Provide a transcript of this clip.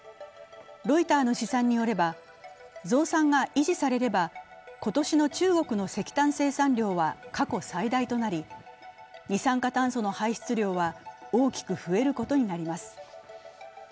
ロイターの試算によれば、増産が維持されれば今年の中国の石炭生産量は過去最大となり二酸化炭素の排出量は大きく増えることになります。